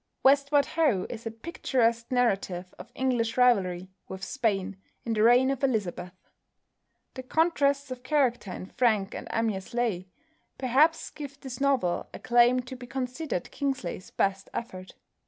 "Westward Ho!" is a picturesque narrative of English rivalry with Spain in the reign of Elizabeth. The contrasts of character in Frank and Amyas Leigh perhaps give this novel a claim to be considered Kingsley's best effort.